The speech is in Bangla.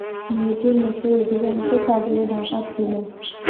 মেয়েটির মুখের অধিকাংশ চাদরে ঢাকা ছিল।